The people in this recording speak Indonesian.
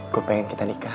gue pengen kita nikah